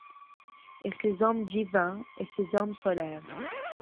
Et ces hommes divins, et ces hommes solaires